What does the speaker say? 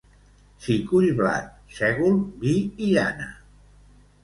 S'hi cull blat, sègol, vi i llana.